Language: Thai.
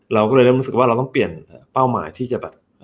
เราก็เลยเริ่มรู้สึกว่าเราต้องเปลี่ยนเป้าหมายที่จะแบบ